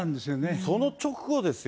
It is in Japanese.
その直後ですよ。